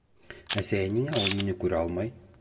Әсәй, ә ниңә ул мине күрә алмай?